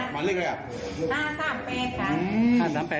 หมายเลขอะไรละ๕๓๘ค่ะ